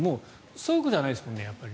そういうことじゃないですもんね。